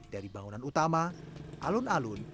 dari bangunan utama alun alun